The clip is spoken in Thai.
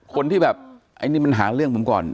คนที่แบบไอ้นี่มันหาเรื่องผมก่อน